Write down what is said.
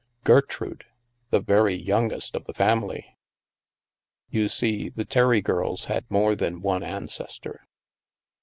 Gertrude ! The very youngest of the family ! You see, the Terry girls had more than one an cestor.